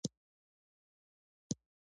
د معایناتو پیسې څومره کیږي؟